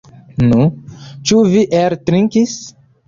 Nu, ĉu vi eltrinkis?